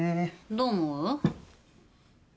どう思う？